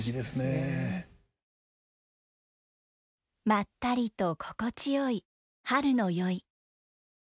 まったりと心地よい春の宵。